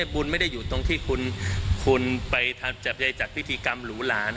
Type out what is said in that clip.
คุณไม่ได้อยู่ตรงที่คุณไปจัดพิธีกรรมหรูหลา